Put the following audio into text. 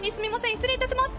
失礼いたします。